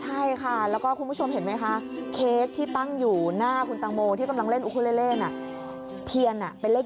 ใช่ค่ะแล้วก็คุณผู้ชมเห็นไหมคะเค้กที่ตั้งอยู่หน้าคุณตังโมที่กำลังเล่นอุคุเลเล่นะเทียนเป็นเลข๗